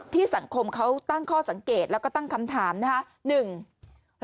สังคมเขาตั้งข้อสังเกตแล้วก็ตั้งคำถามนะครับ